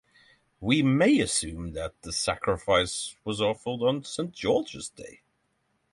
We may assume that the sacrifice was offered on St. George's Day.